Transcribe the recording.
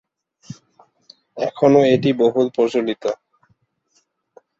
এখনো এটি বহুল প্রচলিত।